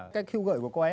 cái khêu gợi của cô ấy